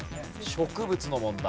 植物の問題。